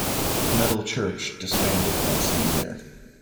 Metal Church disbanded that same year.